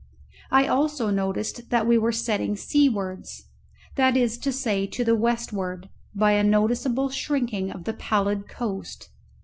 I also noticed that we were setting seawards that is to say, to the westward by a noticeable shrinking of the pallid coast.